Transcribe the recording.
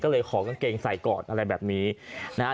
ก็เลยขอกางเกงใส่ก่อนอะไรแบบนี้นะฮะ